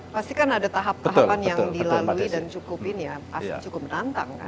pasti kan ada tahap tahapan yang dilalui dan cukup ini ya cukup menantang kan